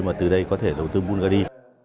mà từ đây có thể đầu tư bungary